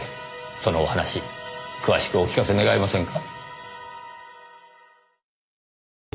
そのお話詳しくお聞かせ願えませんか？